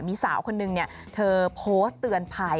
มีสาวคนนึงเธอโพสต์เตือนภัย